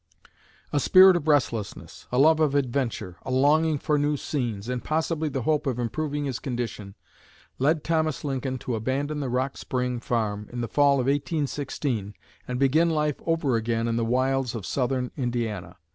A spirit of restlessness, a love of adventure, a longing for new scenes, and possibly the hope of improving his condition, led Thomas Lincoln to abandon the Rock Spring farm, in the fall of 1816, and begin life over again in the wilds of southern Indiana.